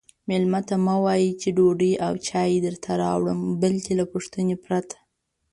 میلمه ته مه وایئ چې ډوډۍ او چای درته راوړم بلکې له پوښتنې پرته